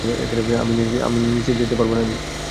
আমি নাচে যেতে পারবো না, রিফ!